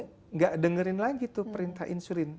tidak dengerin lagi tuh perintah insulin